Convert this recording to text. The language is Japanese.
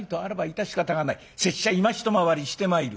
拙者今一回りしてまいる。